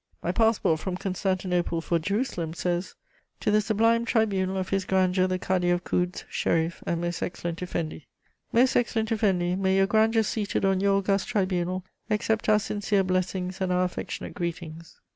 My passport from Constantinople for Jerusalem says: "To the sublime tribunal of His Grandeur the Cadi of Kouds, Scherif and Most Excellent Effendi: "Most Excellent Effendi, may Your Grandeur seated on your august tribunal accept our sincere blessings and our affectionate greetings.